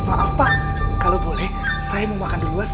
maaf pak kalau boleh saya mau makan di luar